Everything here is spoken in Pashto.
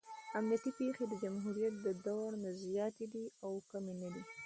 امنیتي پېښې د جمهوریت د دور نه زیاتې دي او کمې نه دي.